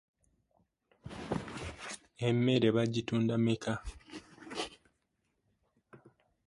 Ekyo ekyakatuuka tekibula mutengotengo .